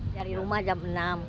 dari rumah jam enam